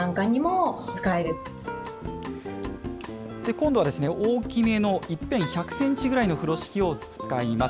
今度は大きめの１辺１００センチぐらいの風呂敷を使います。